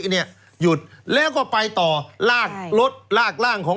เนี่ยหยุดแล้วก็ไปต่อลากรถลากร่างของ